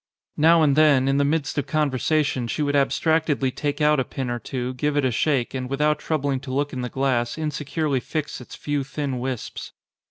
Now and then, in the midst of conversa tion, she would abstractedly take out a pin or two, give it a shake, and without troubling to look in the glass insecurely fix its few thin wisps.